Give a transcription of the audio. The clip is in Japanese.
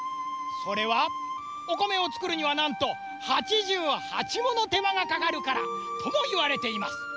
それはおこめをつくるにはなんと「はちじゅうはち」ものてまがかかるからともいわれています。